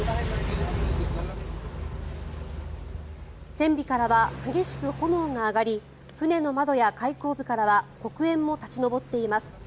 船尾からは激しく炎が上がり船の窓や開口部からは黒煙も立ち上っています。